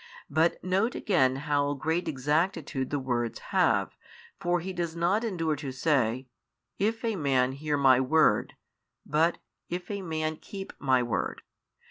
But note again how great exactitude the words have, for He does not endure to say, If a man hear My Word, but, If a man keep My Word.